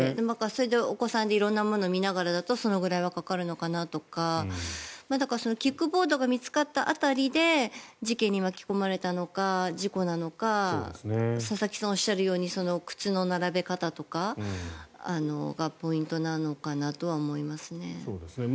それで、お子さんで色々なものを見ながらだとそれくらいかかるのかなとかキックボードが見つかった辺りで事件に巻き込まれたのか事故なのか佐々木さんがおっしゃるように靴の並べ方とかがポイントなのかなとは思いますね。